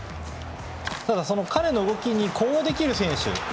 ただ、その彼の動きに呼応できる選手